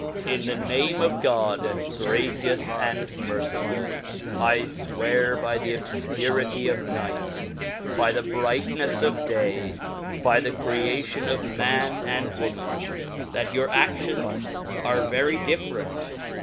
IN the Name of God, gracious and mercifull. I fwearby the obfcurity of Night, by the brightneile of Day, by the creactonof man and woman, that your acflions^ are very dif ferent.